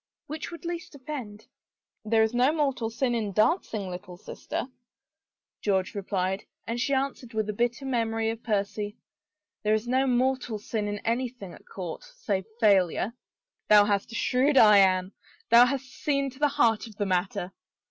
Which would least offend ? "There is no mortal sin in dancing, little sister," George replied, and she answered with a bitter memory of Percy, " There is no mortal sin in anything at court — save failure." " Thou hast a shrewd eye, Anne ; thou hast seen to the heart of the matter."